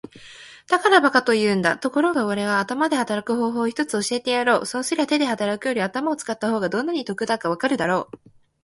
「だから馬鹿と言うんだ。ところがおれは頭で働く方法を一つ教えてやろう。そうすりゃ手で働くより頭を使った方がどんなに得だかわかるだろう。」